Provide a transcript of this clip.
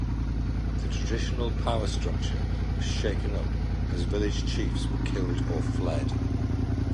The traditional power structure was shaken up as village chiefs were killed or fled.